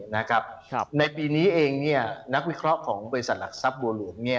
ในปีนี้เองนักวิเคราะห์ของบริษัทหลักทรัพย์บัวหลวง